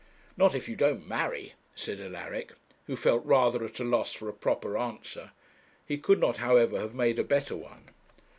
'Not if you don't marry,' said Alaric, who felt rather at a loss for a proper answer. He could not, however, have made a better one.